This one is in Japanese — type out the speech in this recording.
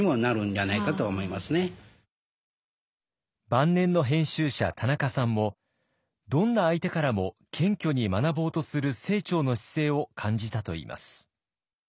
晩年の編集者田中さんもどんな相手からも謙虚に学ぼうとする清張の姿勢を感じたといいます。